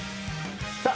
さあ